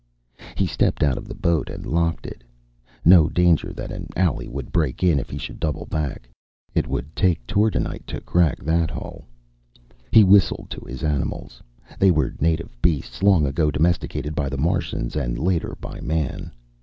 He stepped out of the boat and locked it. No danger that the owlie would break in if he should double back; it would take tordenite to crack that hull. He whistled to his animals. They were native beasts, long ago domesticated by the Martians and later by man.